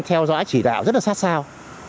theo dõi chỉ đạo rất là sát sao